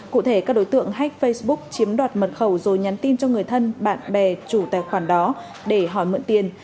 cụ thể các đối tượng hách facebook chiếm đoạt mật khẩu rồi nhắn tin cho người thân bạn bè chủ tài khoản đó để hỏi mượn tiền